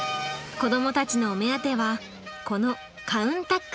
子どもたちのお目当てはこのカウンタック。